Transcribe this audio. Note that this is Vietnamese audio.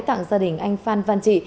tặng gia đình anh phan văn trị